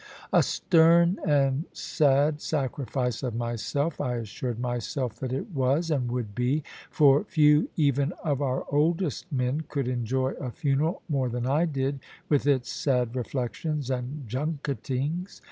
A stern and sad sacrifice of myself, I assured myself that it was, and would be; for few even of our oldest men could enjoy a funeral more than I did, with its sad reflections and junketings.